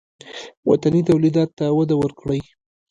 وطني تولیداتو ته وده ورکړئ